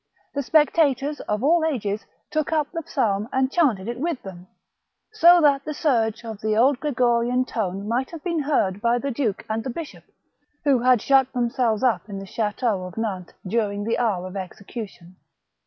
The spectators of all ages took up the psalm and chanted it with them, so that the surge of the old Gregorian tone might have been heard by the duke and the bishop, who had shut themselves up in the ch&teau of Nantes during the hour of execution.